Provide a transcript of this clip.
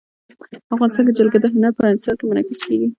افغانستان کې جلګه د هنر په اثار کې منعکس کېږي.